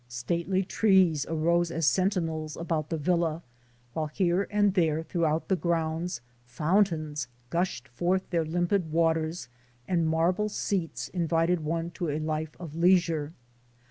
Stately trees arose as sentinels about the villa, while here and there throughout the grounds fountains gushed forth their limpid waters and marble seats invited one to a life of leisure.